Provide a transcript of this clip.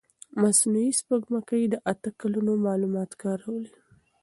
مصنوعي سپوږمکۍ د اته کلونو معلومات کارولي.